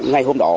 ngày hôm đó